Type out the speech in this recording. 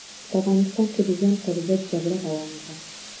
په افغانستان کې د ژوند پر ضد جګړه روانه ده.